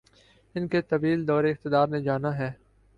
ان کے طویل دور اقتدار نے جانا ہے۔